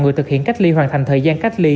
vừa thực hiện cách ly hoàn thành thời gian cách ly